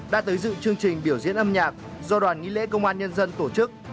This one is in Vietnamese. đã tới dự chương trình biểu diễn âm nhạc do đoàn nghi lễ công an nhân dân tổ chức